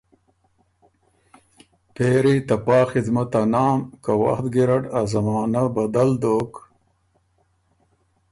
پېری ته پا خدمت ا نام که وخت ګیرډ ا زمانۀ بدل دوک